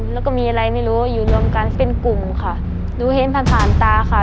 แล้วก็มีอะไรไม่รู้อยู่รวมกันเป็นกลุ่มค่ะหนูเห็นผ่านผ่านตาค่ะ